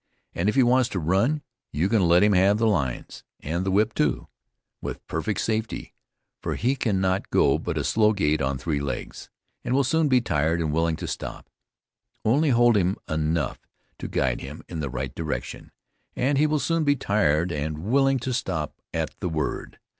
And if he wants to run you can let him have the lines, and the whip too, with perfect safety, for he cannot go but a slow gait on three legs, and will soon be tired and willing to stop; only hold him enough to guide him in the right direction, and he will soon be tired and willing to stop at the word.